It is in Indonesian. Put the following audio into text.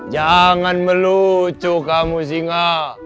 jangan melucu kamu singa